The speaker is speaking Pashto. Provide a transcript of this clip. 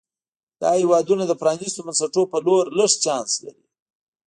دا هېوادونه د پرانیستو بنسټونو په لور لږ چانس لري.